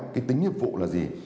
cái tính nhiệm vụ là gì